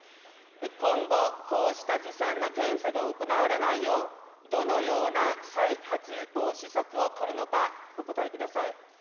今後、こうしたずさんな検査が行われないよう、どのような再発防止策を取るのかお答えください。